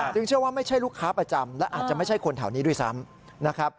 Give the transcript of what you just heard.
เชื่อว่าไม่ใช่ลูกค้าประจำและอาจจะไม่ใช่คนแถวนี้ด้วยซ้ำนะครับ